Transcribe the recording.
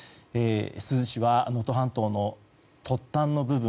珠洲市は能登半島の突端の部分。